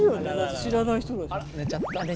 知らない人だし。